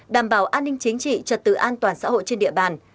đảm bảo an ninh chính trị trật tự an toàn xã hội trên địa bàn